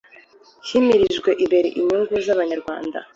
himirijwe imbere inyungu z’Abanyarwanda